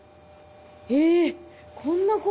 えっ！